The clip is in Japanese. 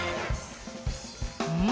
うん！